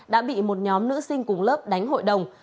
đã bị một nhóm nữ sinh cùng lớp đánh hội đồng